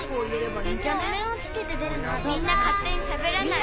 みんなかってにしゃべらないで。